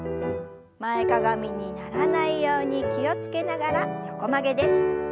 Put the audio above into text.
前かがみにならないように気を付けながら横曲げです。